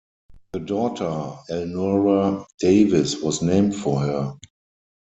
The daughter Elnora Davis, was named for her.